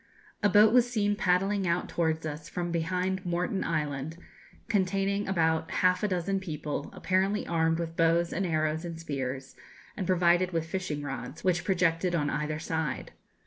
A boat was seen paddling out towards us from behind Moreton Island, containing about half a dozen people, apparently armed with bows and arrows and spears, and provided with fishing rods, which projected on either side.